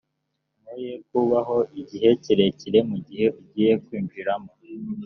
mwoye kubaho igihe kirekire mu gihugu ugiye kwinjiramo